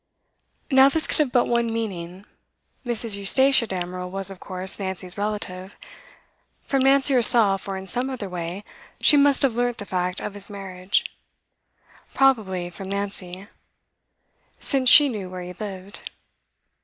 Now this could have but one meaning. Mrs. Eustace Damerel was, of course, Nancy's relative; from Nancy herself, or in some other way, she must have learnt the fact of his marriage. Probably from Nancy, since she knew where he lived.